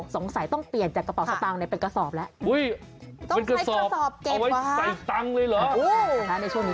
สงสัยต้องเปลี่ยนจากกระเป๋าสตางค์เป็นกระสอบแล้ว